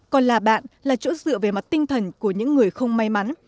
còn là bạn là chỗ dựa về mặt tinh thần của những người không may mắn